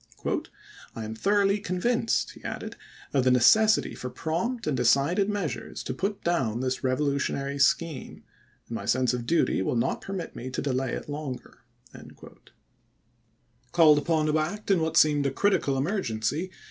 " I am thoroughly convinced," he added, " of the necessity for prompt and decided measures to put down this revolutionary scheme, and my sense of duty will not permit me to delay it longer." Called upon to act in what seemed a critical emergency.